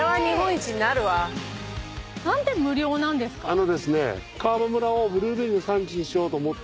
あのですね。